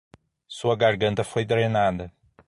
Sua garganta foi drenada.